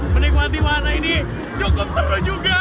menikmati wahana ini cukup seru juga